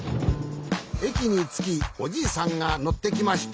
えきにつきおじいさんがのってきました。